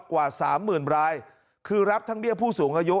กว่า๓๐๐๐๐บรายคือรับทั้งเบี้ยผู้สูงอายุ